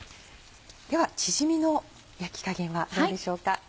ではチヂミの焼き加減はどうでしょうか。